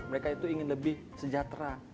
mereka itu ingin lebih sejahtera